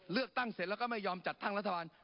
เลือกตั้งเสร็จแล้วก็ไม่ยอมจัดตั้งรัฐบาล